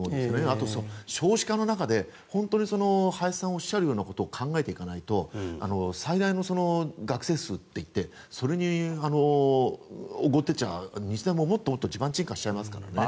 あと少子化の中で本当に林さんがおっしゃるようなことを考えていかないと最大の学生数といってそれにおごってちゃ日大ももっと地盤沈下しちゃいますからね。